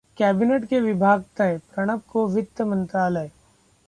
cabinet के विभाग तय, प्रणब को वित्त मंत्रालय